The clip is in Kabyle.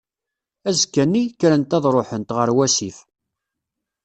Azekka-nni, krent ad ruḥent, ɣer wasif.